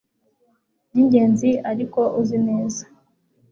byingenzi ariko uzi neza